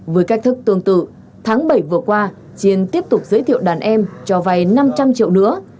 với cách thức tương tự tháng bảy vừa qua chiên tiếp tục giới thiệu đàn em cho vay năm trăm linh triệu nữa